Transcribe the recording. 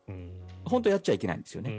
本当はやっちゃいけないんです。